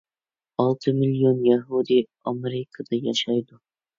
ئالتە مىليون يەھۇدىي ئامېرىكىدا ياشايدۇ.